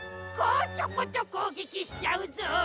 こちょこちょこうげきしちゃうぞ。